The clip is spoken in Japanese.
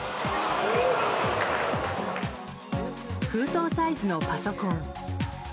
封筒サイズのパソコン。